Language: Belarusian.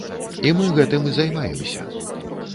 І мы гэтым і займаемся.